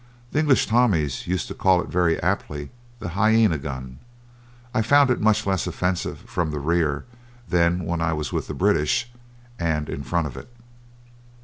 The English Tommies used to call it very aptly the "hyena gun." I found it much less offensive from the rear than when I was with the British, and in front of it.